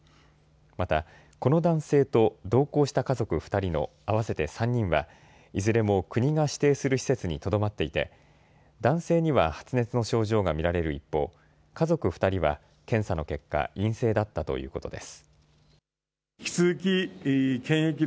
また、この男性と同行した家族２人の合わせて３人はいずれも国が指定する施設にとどまっていて男性には発熱の症状が見られる一方、家族２人は検査の結果、陰性だったということです。